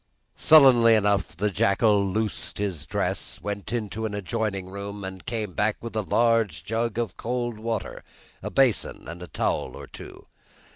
Sullenly enough, the jackal loosened his dress, went into an adjoining room, and came back with a large jug of cold water, a basin, and a towel or two.